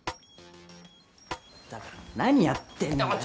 だから何やってんだよあっ